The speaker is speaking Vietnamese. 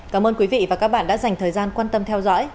cảm ơn quý vị và các bạn đã dành thời gian quan tâm theo dõi